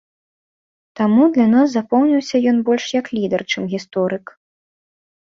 Таму для нас запомніўся ён больш як лідар, чым гісторык.